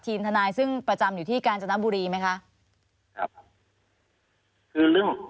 ทนายซึ่งประจำอยู่ที่กาญจนบุรีไหมคะครับคือเรื่อง